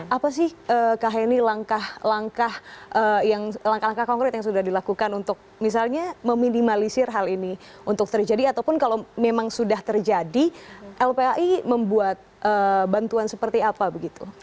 apa sih kak heni langkah langkah konkret yang sudah dilakukan untuk misalnya meminimalisir hal ini untuk terjadi ataupun kalau memang sudah terjadi lpai membuat bantuan seperti apa begitu